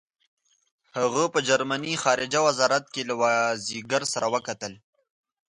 هغه په جرمني خارجه وزارت کې له وایزیکر سره وکتل.